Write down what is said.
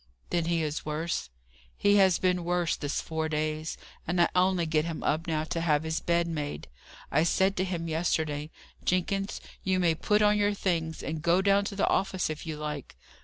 "Then he is worse?" "He has been worse this four days. And I only get him up now to have his bed made. I said to him yesterday, 'Jenkins, you may put on your things, and go down to the office if you like.